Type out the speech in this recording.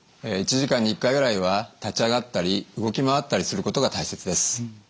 １時間に１回ぐらいは立ち上がったり動き回ったりすることが大切です。